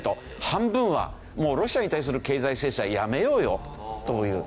半分はもうロシアに対する経済制裁やめようよという。